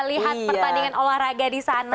lihat pertandingan olahraga di sana